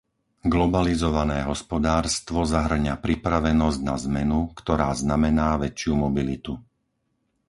Globalizované hospodárstvo zahŕňa pripravenosť na zmenu, ktorá znamená väčšiu mobilitu.